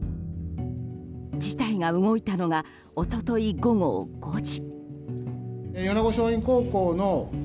事態が動いたのが一昨日午後５時。